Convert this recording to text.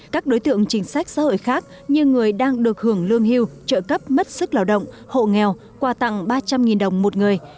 các đối tượng chính sách xã hội khác như người đang được hưởng lương hưu trợ cấp mất sức lao động hộ nghèo quà tặng ba trăm linh đồng một người